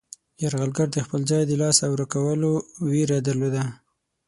یرغلګر د خپل ځای د له لاسه ورکولو ویره درلوده.